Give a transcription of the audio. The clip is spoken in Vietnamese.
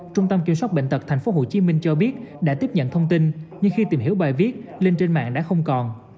trung tâm kiểm soát bệnh tật tp hcm cho biết đã tiếp nhận thông tin nhưng khi tìm hiểu bài viết lên trên mạng đã không còn